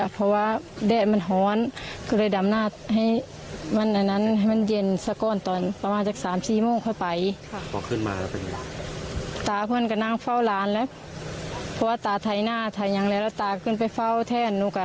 เพราะว่าตาไถ่หน้าไถ่อย่างนี้แล้วตาขึ้นไปเฝ้าแท่นลูกอ่ะ